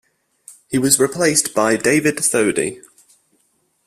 He was replaced by David Thodey.